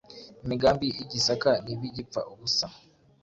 imigambi y’i Gisaka nibe igipfa ubusa.